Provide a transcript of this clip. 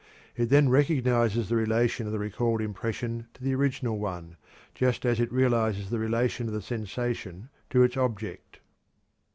It then recognizes the relation of the recalled impression to the original one just as it realizes the relation of the sensation to its object.